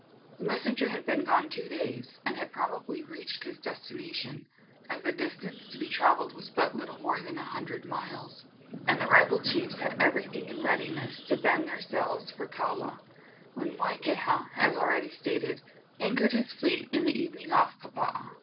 The messenger had been gone two days, and had probably reached his destination, as the distance to be travelled was but little more than a hundred miles, and the rival chiefs had everything in readiness to bend their sails for Kaula, when Moikeha, as already stated, anchored his fleet in the evening off Kapaa.